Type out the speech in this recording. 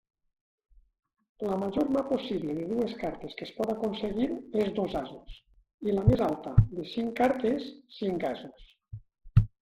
La major «mà» possible de dues cartes que es pot aconseguir és dos asos, i la més alta de cinc cartes, cinc asos.